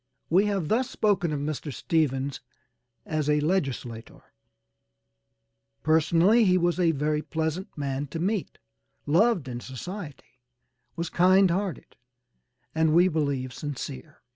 We have thus spoken of Mr. Stephens as a legislator; personally, he was a very pleasant man to meet, loved in society, was kind hearted, and we believe sincere.